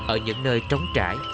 ở những nơi trống trải